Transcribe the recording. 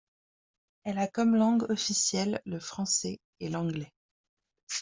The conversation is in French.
Elle a comme langues officielles le français et l'anglais.